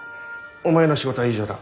お前の仕事は以上だ。